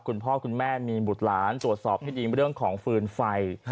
คุณพ่อคุณแม่มีบุตรหลานตรวจสอบให้ดีเรื่องของฟืนไฟ